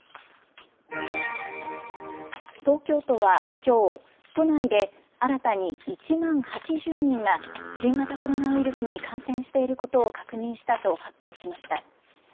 東京都はきょう、都内で新たに１万８０人が、新型コロナウイルスに感染していることを確認したと発表しました。